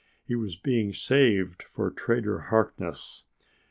He was being saved for Trader Harkness.